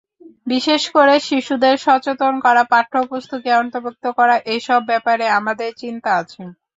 বিশেষ করে শিশুদের সচেতন করা, পাঠ্যপুস্তকে অন্তর্ভুক্ত করা—এসব ব্যাপারে আমাদের চিন্তা আছে।